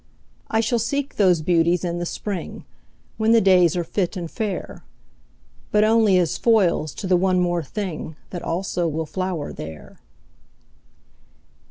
I shall seek those beauties in the spring, When the days are fit and fair, But only as foils to the one more thing That also will flower there!